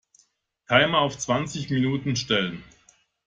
Timer auf zwanzig Minuten stellen.